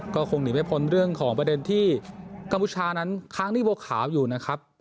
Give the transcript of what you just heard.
ก็คงหนีไม่พ้นเรื่องของประเด็นที่กัมพูชานั้นค้างหนี้บัวขาวอยู่นะครับ